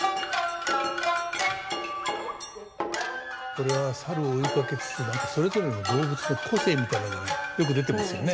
これは猿を追いかけつつ何かそれぞれの動物の個性みたいなのがよく出てますよね。